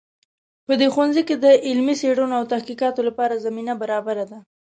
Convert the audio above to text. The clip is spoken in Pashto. په دې ښوونځي کې د علمي څیړنو او تحقیقاتو لپاره زمینه برابره ده